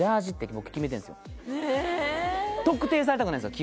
特定されたくないんすよ